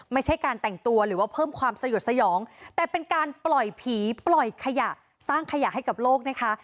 ไม่ใช่การแต่งตัวหรือว่าเพิ่มความสยดสยองแต่เป็นการปล่อยผีปล่อยขยะสร้างขยะให้กับโลกนะคะ